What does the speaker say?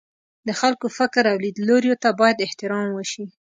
د خلکو فکر او لیدلوریو ته باید احترام وشي.